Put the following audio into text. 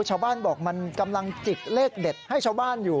ชาวบ้านบอกมันกำลังจิกเลขเด็ดให้ชาวบ้านอยู่